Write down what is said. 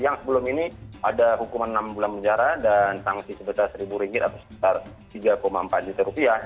yang sebelum ini ada hukuman enam bulan penjara dan sanksi sebesar seribu ringgir atau sekitar tiga empat juta rupiah